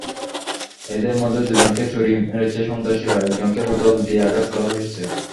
এঁদের মধ্যে দুজনকে ছুরি মেরেছে সন্ত্রাসীরা, একজনকে বোতল দিয়ে আঘাত করা হয়েছে।